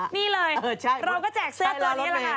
นี่เลยเราจากแซ่งเสื้อตัวนี้กัน